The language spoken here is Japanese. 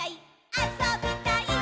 あそびたいっ！！」